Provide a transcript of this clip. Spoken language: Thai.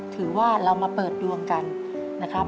ถือว่าเรามาเปิดดวงกันนะครับ